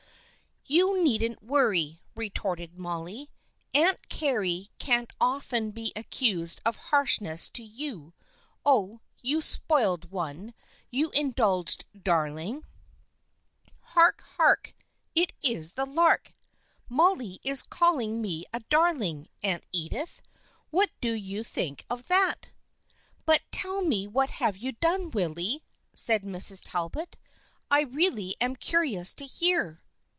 " You needn't worry," retorted Mollie. " Aunt Carry can't often be accused of harshness to you, oh, you spoiled one ! You indulged darling !""' Hark, hark ! It is the lark !' Mollie is call ing me a darling, Aunt Edith. What do you think of that?" " But tell me what you have done, Willy ?" said Mrs. Talbot. " I really am curious to hear."